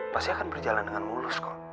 pasti akan berjalan dengan mulus kok